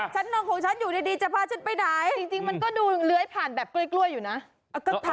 นอนของฉันอยู่ดีจะพาฉันไปไหนจริงมันก็ดูเลื้อยผ่านแบบกล้วยอยู่นะ